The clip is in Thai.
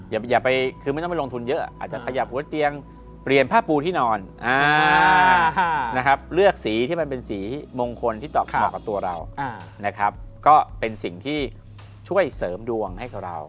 อย่าไปคือไม่ต้องไปลงทุนเยอะอาจจะขยับหัวเตียงเปลี่ยนผ้าปูที่นอนนะครับเลือกสีที่มันเป็นสีมงคลที่ตอบเหมาะกับตัวเรานะครับก็เป็นสิ่งที่ช่วยเสริมดวงให้กับเรา